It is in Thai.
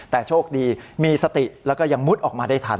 แต่โชคดีมีสติแล้วก็ยังมุดออกมาได้ทัน